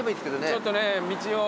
ちょっとね道を。